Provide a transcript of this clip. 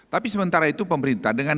tapi sementara itu pemerintah dengan